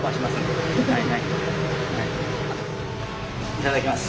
いただきます。